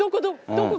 どこ？